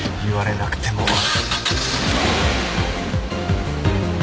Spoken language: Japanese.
言われなくても。